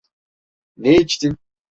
Ne içtin?